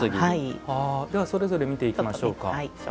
ではそれぞれ見ていきましょうか。